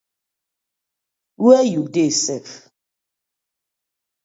Where yu dey sef?